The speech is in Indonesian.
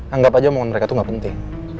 anggap aja omongan mereka tuh gak penting